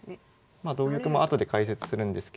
まあ同玉も後で解説するんですけど。